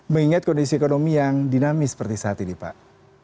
mengingat kondisi ekonomi yang dinamis seperti saat ini pak